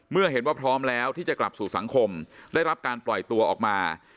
เมื่อเห็นว่าพร้อมแล้วที่จะกลับสู่สังคมได้รับการปล่อยตัวออกมา